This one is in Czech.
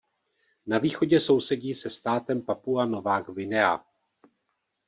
Na východě sousedí se státem Papua Nová Guinea.